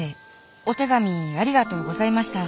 お手紙ありがとうございました。